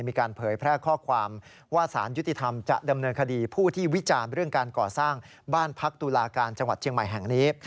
เผยแพร่ข้อความว่าสารยุติธรรมจะดำเนินคดีผู้ที่วิจารณ์เรื่องการก่อสร้างบ้านพักตุลาการจังหวัดเชียงใหม่แห่งนี้